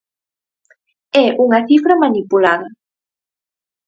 É unha cifra manipulada.